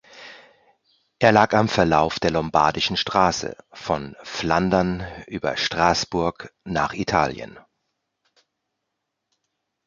Er lag am Verlauf der lombardischen Straße von Flandern über Straßburg nach Italien.